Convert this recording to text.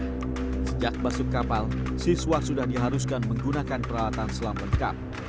sejak masuk kapal siswa sudah diharuskan menggunakan peralatan selam lengkap